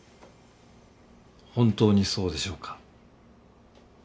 本当にそうでしょうか？